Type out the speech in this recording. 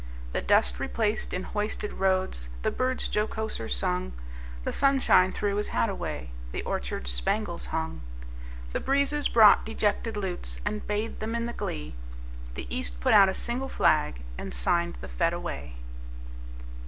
The dust replaced in hoisted roads, The birds jocoser sung; The sunshine threw his hat away, The orchards spangles hung. The breezes brought dejected lutes, And bathed them in the glee; The East put out a single flag, And signed the fete away.